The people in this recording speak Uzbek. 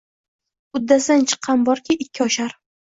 Uddasidan chiqqan borki, ikki oshar